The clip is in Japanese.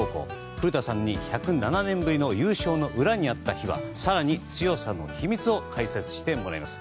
古田さんに、１０７年ぶりの優勝の裏にあった秘話更に、強さの秘密を解説してもらいます。